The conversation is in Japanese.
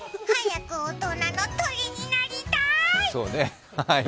早く大人の鳥になりたーい。